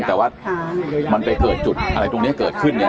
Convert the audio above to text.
แต่ว่ามันไปเกิดจุดอะไรตรงนี้เกิดขึ้นเนี่ย